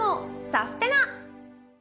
サステナ！